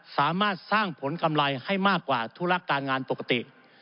สามารถสร้างผลกำไรให้มากกว่าธุระการงานปกติ